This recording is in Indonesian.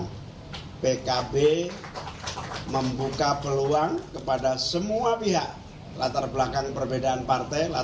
dan saya juga ingin mengucapkan terima kasih kepada semua masyarakat yang telah menerima pendaftaran